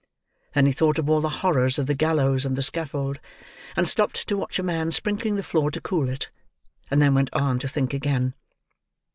Then, he thought of all the horrors of the gallows and the scaffold—and stopped to watch a man sprinkling the floor to cool it—and then went on to think again.